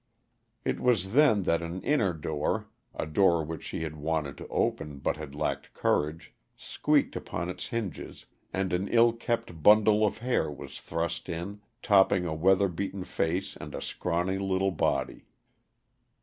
It was then that an inner door a door which she had wanted to open, but had lacked courage squeaked upon its hinges, and an ill kept bundle of hair was thrust in, topping a weather beaten face and a scrawny little body.